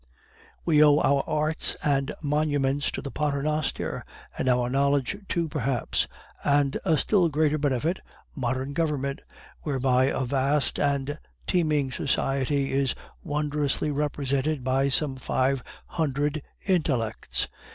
"We owe our arts and monuments to the Pater noster, and our knowledge, too, perhaps; and a still greater benefit modern government whereby a vast and teeming society is wondrously represented by some five hundred intellects.